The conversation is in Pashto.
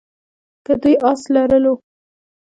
که دوی آس لرلو.